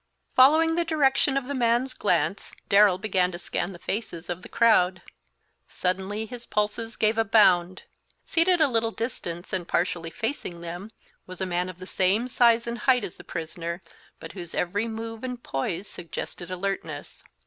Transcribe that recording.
Following the direction of the man's glance, Darrell began to scan the faces of the crowd. Suddenly his pulses gave a bound. Seated at a little distance and partially facing them was a man of the same size and height as the prisoner, but whose every move and poise suggested alertness.